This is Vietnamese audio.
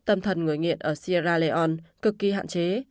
tâm thần người nghiện ở sierra leon cực kỳ hạn chế